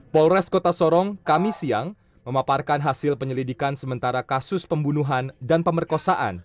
polres kota sorong kami siang memaparkan hasil penyelidikan sementara kasus pembunuhan dan pemerkosaan